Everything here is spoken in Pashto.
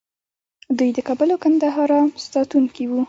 دوی د کابل او ګندهارا ساتونکي وو